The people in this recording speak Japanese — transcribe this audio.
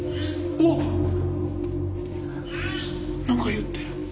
何か言ってる。